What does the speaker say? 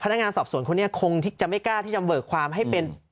นักงานสอบสวนคนนี้คงจะไม่กล้าที่จะเบิกความให้เป็น